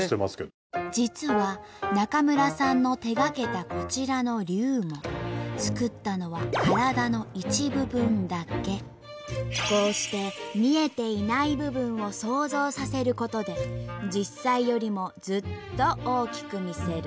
実は中村さんの手がけたこちらの竜も作ったのはこうして見えていない部分を想像させることで実際よりもずっと大きく見せる。